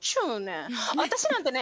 私なんてね